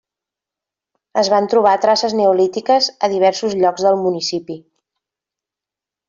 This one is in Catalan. Es van trobar traces neolítiques a diversos llocs del municipi.